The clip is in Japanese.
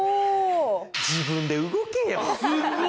自分で動けよ！